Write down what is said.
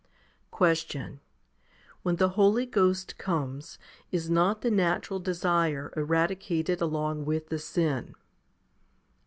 2. Question. When the Holy Ghost comes, is not the natural desire eradicated along with the sin